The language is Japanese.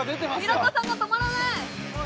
平子さんが止まらないああもう！